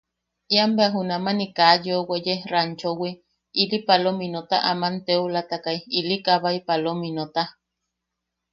Ian bea junamani kaa yeu weye ranchowi, ili palominota aman teulatakai ili kabaʼi palominota.